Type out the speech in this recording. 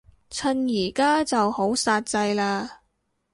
趁而家就好煞掣嘞